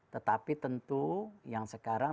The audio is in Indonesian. tetapi tentu yang sekarang